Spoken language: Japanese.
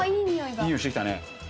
いいにおいしてきたね。